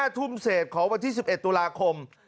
๕ทุ่มเศษของวันที่๑๑ตุลาคม